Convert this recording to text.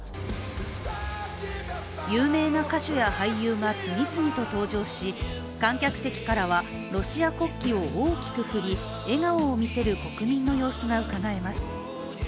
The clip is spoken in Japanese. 有名な歌手や俳優が次々と登場し観客席からはロシア国旗を大きく振り笑顔を見せる国民の様子がうかがえます。